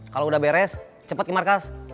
kalau udah beres cepet ke markas